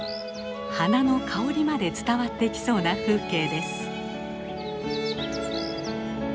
花の香りまで伝わってきそうな風景です。